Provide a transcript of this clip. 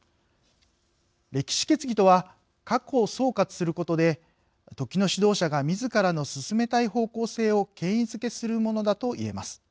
歴史決議とは過去を総括することで時の指導者がみずからの進めたい方向性を権威づけするものだと言えます。